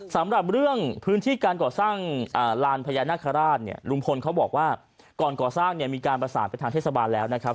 สำหรับเรื่องพื้นที่การก่อสร้างลานพญานาคาราชเนี่ยลุงพลเขาบอกว่าก่อนก่อสร้างเนี่ยมีการประสานไปทางเทศบาลแล้วนะครับ